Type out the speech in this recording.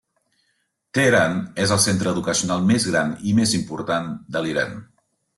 Teheran és el centre educacional més gran i més important de l'Iran.